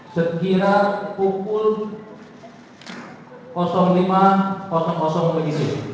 sekira pukul lima wib